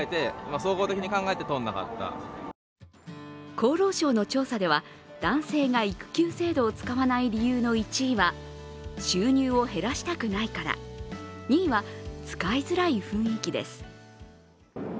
厚労省の調査では男性が育休制度を使わない理由の１位は収入を減らしたくないから、２位は使いづらい雰囲気です。